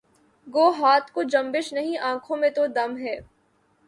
گو ہاتھ کو جنبش نہیں آنکھوں میں تو دم ہے